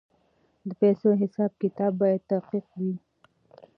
د پیسو حساب کتاب باید دقیق وي.